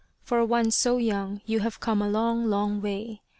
For one so young you have come a long, long way.